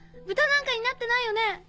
豚なんかになってないよね？